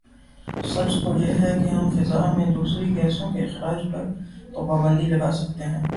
سچ تو یہ ہے کہ ہم فضا میں دوسری گیسوں کے اخراج پر تو پابندی لگاسکتے ہیں